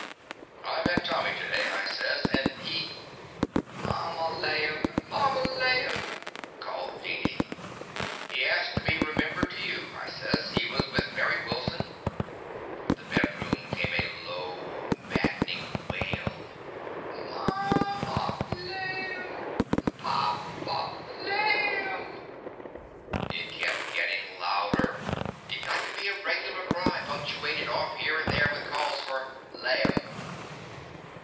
"I met Tuomy to day," I says, "and he—" "Mama, laim! Mama, laim!" called Deedee. "He asked to be remembered to you," I says. "He was with May Wilson—" From the bedroom come a low, mad denin' wail :— The Confessions of a Daddy ''Mama, laim! Papa, laimT' It kept gittin' louder. It got to be a regular cry, punctuated off here and there with calls for "laim."